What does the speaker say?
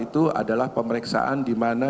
itu adalah pemeriksaan dimana